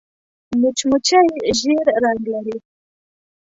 مچمچۍ ژیړ رنګ لري